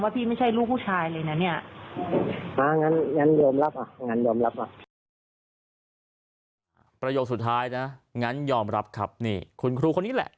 ประโยคสุดท้ายนะงั้นยอมรับครับนี่คุณครูคนนี้แหละ